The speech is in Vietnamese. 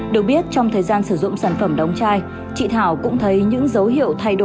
được biết trong thời gian sử dụng sản phẩm đóng chai